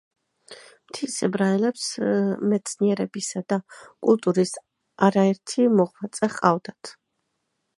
მთის ებრაელებს მეცნიერებისა და კულტურის არაერთი მოღვაწე ჰყავდათ.